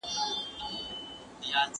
په لویه جرګه کي د کمیټو مشران څنګه ټاکل کیږي؟